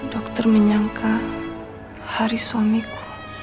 dokter menyangka hari suamiku